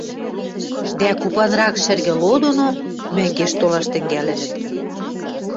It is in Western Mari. дӓ купанрак шӹргӹ ло доно мӹнгеш толаш тӹнгӓлӹнӹт.